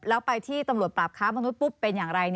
แล้วไปที่ตำรวจปราบค้ามนุษยปุ๊บเป็นอย่างไร